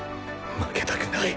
負けたくない！